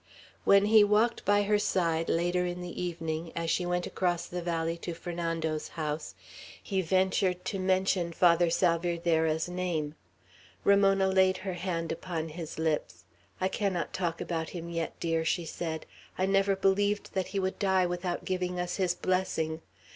When he walked by her side, later in the evening, as she went across the valley to Fernando's house, he ventured to mention Father Salvierderra's name. Ramona laid her hand on his lips. "I cannot talk about him yet, dear," she said. "I never believed that he would die without giving us his blessing.